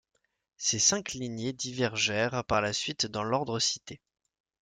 Ces cinq lignées divergèrent par la suite dans l'ordre cité.